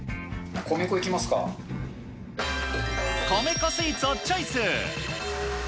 米粉スイーツをチョイス。